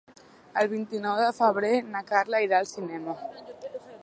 El vint-i-nou de febrer na Carla irà al cinema.